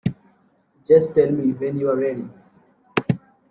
Just tell me when you're ready.